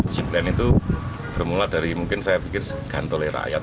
disiplin itu bermula dari mungkin saya pikir gantole rakyat